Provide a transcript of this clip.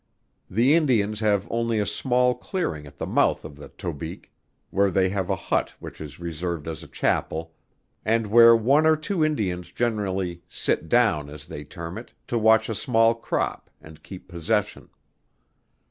The Indians have only a small clearing at the mouth of the Tobique, where they have a hut which is reserved as a Chapel, and where one or two Indians generally sit down as they term it, to watch a small crop, and keep possession.